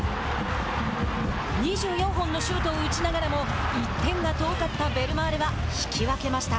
２４本のシュートを打ちながらも１点が遠かったベルマーレは引き分けました。